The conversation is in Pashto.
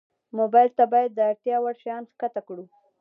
موبایل ته باید د اړتیا وړ شیان ښکته کړو.